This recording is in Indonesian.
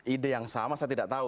ide yang sama saya tidak tahu